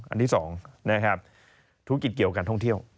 อันที่สองธุรกิจเกี่ยวกับการท่องเที่ยว